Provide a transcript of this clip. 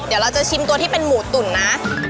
เดี๋ยวเราจะชิมตัวที่เป็นหมูตุ๋นนะ